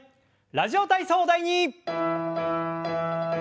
「ラジオ体操第２」。